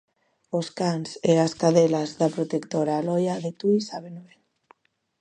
Os cans e as cadelas da protectora Aloia de Tui sábeno ben.